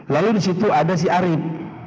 lalu disitu ada si arief